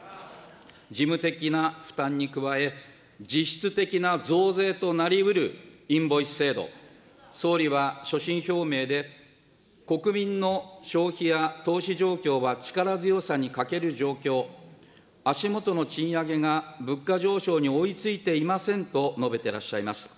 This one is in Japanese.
事務的な負担に加え、実質的な増税となりうるインボイス制度、総理は所信表明で、国民の消費や投資状況は力強さに欠ける状況、足下の賃上げが物価上昇に追いついていませんと述べていらっしゃいます。